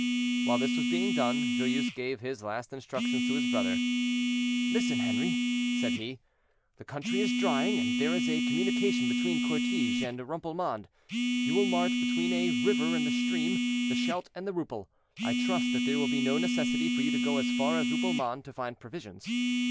While this was being done, Joyeuse gave his last instructions to his brother. "Listen, Henri," said he; "the country is drying, and there is a communication between Courteig and Rupelmonde; you will march between a river and a stream—the Scheldt and the Rupel. I trust that there will be no necessity for you to go as far as Rupelmonde to find provisions.